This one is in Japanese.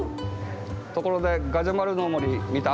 ところでガジュマルのもりみた？